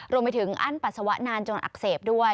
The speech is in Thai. รวมไปถึงอั้นปัสสาวะนานจนอักเสบด้วย